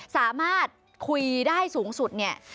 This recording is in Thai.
สามารถคุยได้สูงสุดเนี่ย